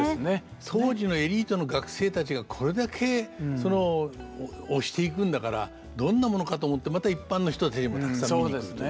当時のエリートの学生たちがこれだけ推していくんだからどんなものかと思ってまた一般の人たちもたくさん見に来るという。